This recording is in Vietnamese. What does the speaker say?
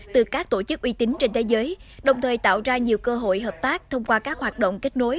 từ các tổ chức uy tín trên thế giới đồng thời tạo ra nhiều cơ hội hợp tác thông qua các hoạt động kết nối